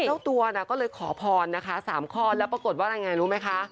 เจ้าตัวน่ะก็เลยขอพรนะคะ๓ข้อแล้วปรากฏว่าอะไรไงรู้ไหมคะ